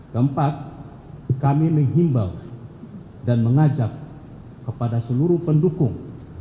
keempat kami menghimbau dan mengajak kepada seluruh pendukung